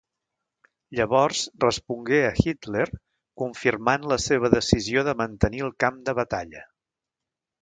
Llavors respongué a Hitler confirmant la seva decisió de mantenir el camp de batalla.